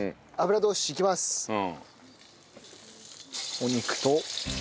お肉と。